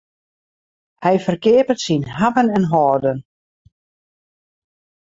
Hy ferkeapet syn hawwen en hâlden.